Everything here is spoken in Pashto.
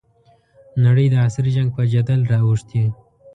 نړۍ د عصري جنګ په جدل رااوښتې.